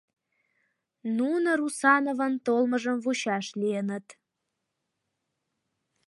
Нуно Русановын толмыжым вучаш лийыныт...